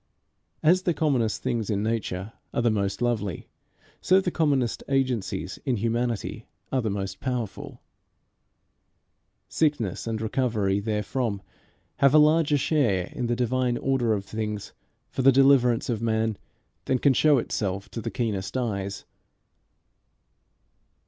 As the commonest things in nature are the most lovely, so the commonest agencies in humanity are the most powerful. Sickness and recovery therefrom have a larger share in the divine order of things for the deliverance of men than can show itself to the keenest eyes.